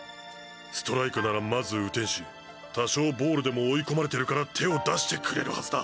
ストライクならまず打てんし多少ボールでも追い込まれてるから手を出してくれるはずだ。